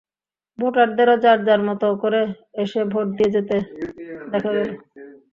ভোটারদেরও যার যার মতো করে এসে ভোট দিয়ে যেতে দেখা গেল।